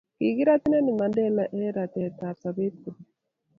kikirat inendet Mandela eng' ratetab sobet kobek